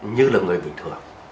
như là người bình thường